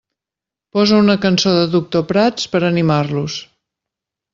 Posa una cançó de Doctor Prats per animar-los.